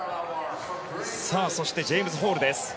そして、ジェームズ・ホール。